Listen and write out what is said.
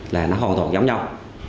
là nó hồn thuộc giống nhau